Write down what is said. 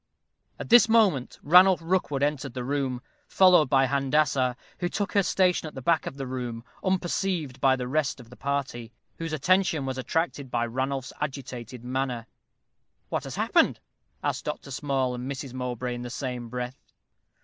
At this moment Ranulph Rookwood entered the room, followed by Handassah, who took her station at the back of the room, unperceived by the rest of the party, whose attention was attracted by Ranulph's agitated manner. "What has happened?" asked Dr. Small and Mrs. Mowbray in the same breath.